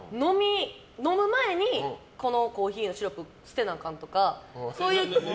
飲む前にこのコーヒーのシロップ捨てなあかんとか。